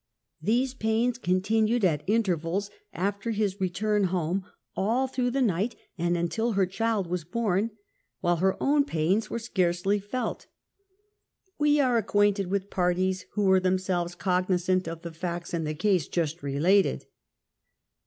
These pains continued at intervals after his return home all through the night and until her child was born, while her )( own pains were scarcely felt. We are acquainted with parties who w^ere themselves cognizant of the facts in the case just related.